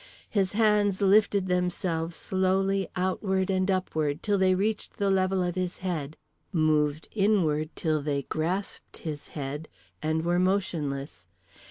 His hands lifted themselves slowly outward and upward till they reached the level of his head; moved inward till they grasped his head: and were motionless.